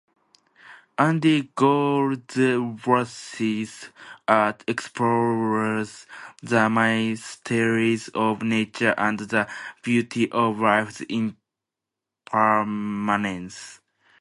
Andy Goldsworthy's art explores the mysteries of nature and the beauty of life's impermanence.